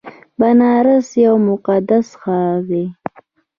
بنارس یو مقدس ښار دی.